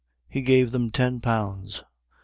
He gave them ten pounds. ..